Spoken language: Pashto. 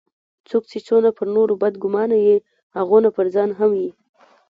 څوک چي څونه پر نورو بد ګومانه يي؛ هغونه پرځان هم يي.